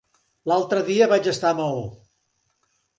L'altre dia vaig estar a Maó.